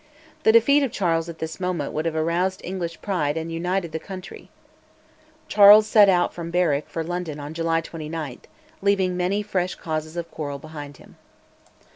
The defeat of Charles at this moment would have aroused English pride and united the country. Charles set out from Berwick for London on July 29, leaving many fresh causes of quarrel behind him.